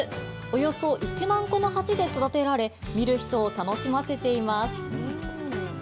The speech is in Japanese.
およそ１万個の鉢で育てられ見る人を楽しませています。